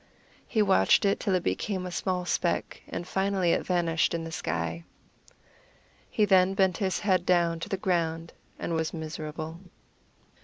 He watched it till it became a small speck, and finally it vanished in the sky. He then bent his head down to the ground and was miserable.